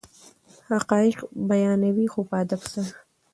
حقایق بیانوي خو په ادب سره.